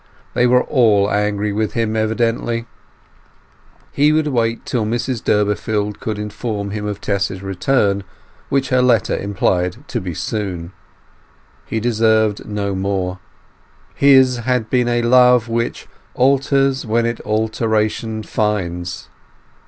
They were all angry with him, evidently. He would wait till Mrs Durbeyfield could inform him of Tess's return, which her letter implied to be soon. He deserved no more. His had been a love "which alters when it alteration finds".